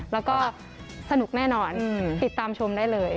แล้วก็สนุกแน่นอนติดตามชมได้เลย